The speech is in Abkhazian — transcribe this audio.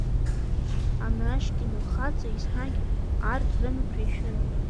Анашкина лхаҵа, еснагь ар рымаҭәа ишәын.